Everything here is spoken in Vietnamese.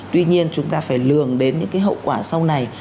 tuy nhiên chúng ta phải lường đến những hậu quả sau này